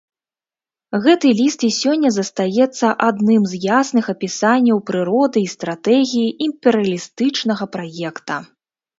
Гэты ліст і сёння застаецца адным з ясных апісанняў прыроды і стратэгіі імперыялістычнага праекта.